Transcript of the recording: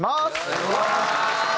お願いします！